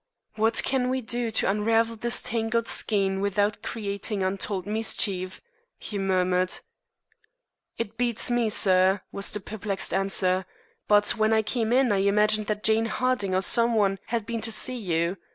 "What can we do to unravel this tangled skein without creating untold mischief?" he murmured. "It beats me, sir," was the perplexed answer. "But when I came in I imagined that Jane Harding or some one had been to see you.